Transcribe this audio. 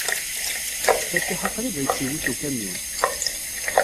Fatiḥa qrib ay tt-iwit ukamyun.